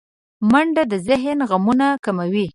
منډه د ذهن غمونه کموي